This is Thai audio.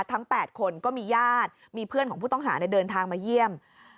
ทั้ง๘คนก็มีญาติมีเพื่อนของผู้ต้องหาเดินทางมาเยี่ยม